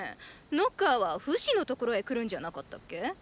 ノッカーは“フシ”の所へ来るんじゃなかったっけ？